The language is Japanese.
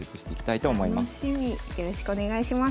よろしくお願いします。